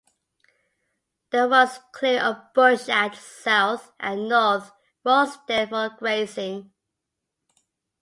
There was clearing of bush at South and North Rosedale for grazing.